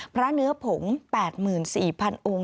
พระเนื้อผง๘๔๐๐๐องค์